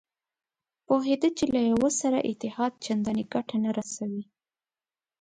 پوهېده چې له یوه سره اتحاد چندانې ګټه نه رسوي.